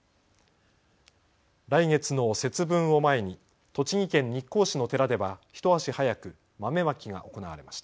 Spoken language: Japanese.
来月の節分を前に栃木県日光市の寺では一足早く、豆まきが行われました。